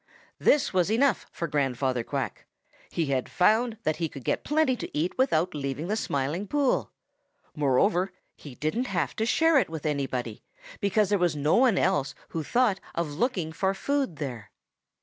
"This was enough for Grandfather Quack. He had found that he could get plenty to eat without leaving the Smiling Pool. Moreover, he didn't have to share it with anybody, because there was no one else who thought of looking for food there.